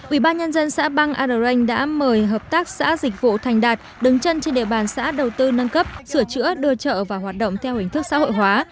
ubnd xã băng an đã mời hợp tác xã dịch vụ thành đạt đứng chân trên địa bàn xã đầu tư nâng cấp sửa chữa đưa chợ vào hoạt động theo hình thức xã hội hóa